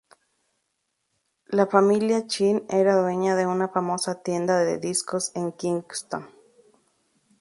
La familia Chin era dueña de una famosa tienda de discos en Kingston.